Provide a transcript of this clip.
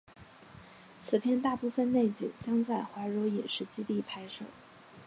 此片大部分内景将在怀柔影视基地拍摄。